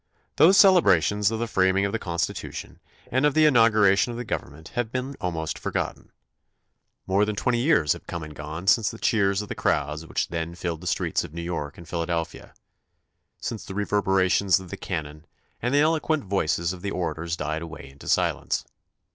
Those celebrations of the framing of the Constitu tion and of the inauguration of the, government have been almost forgotten. More than twenty years have come and gone since the cheers of the crowds which then filled the streets of New York and Philadelphia THE CONSTITUTION AND ITS MAKERS 35 — since the reverberations of the cannon and the elo quent voices of the orators died away into silence.